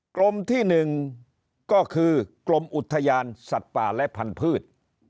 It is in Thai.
กรมที่๑ก็คือกรมอุทยานสัตว์ป่าและพันธุ์